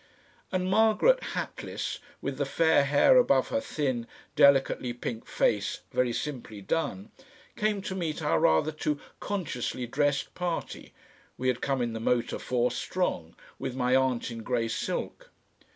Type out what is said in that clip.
And Margaret, hatless, with the fair hair above her thin, delicately pink face very simply done, came to meet our rather too consciously dressed party, we had come in the motor four strong, with my aunt in grey silk.